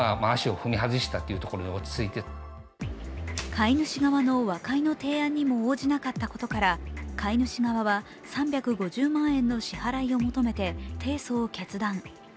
飼い主側の和解の提案にも応じなかったことから、飼い主側は、３５０万円の支払いを求めて提訴を決断。